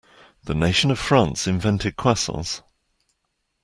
The nation of France invented croissants.